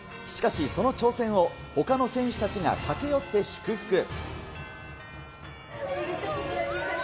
しかし、その挑戦をほかの選手たちが駆け寄って祝福。